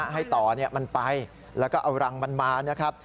ให้ต่อมันไปแล้วก็เอารังมันมานะครับ